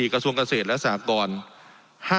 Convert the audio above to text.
กระทรวงเกษตรและสหกร